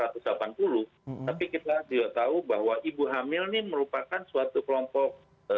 tapi kita juga tahu bahwa ibu hamil ini merupakan suatu kelompok